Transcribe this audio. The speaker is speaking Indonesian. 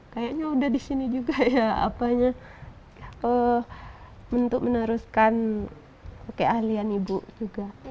kayaknya udah di sini juga ya apanya untuk meneruskan keahlian ibu juga